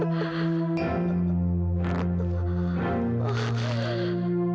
baut ihn swarm penupalan